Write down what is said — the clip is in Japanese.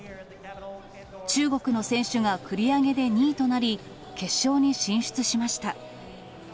中国の選手が繰り上げで２位となり、決勝に進出しました。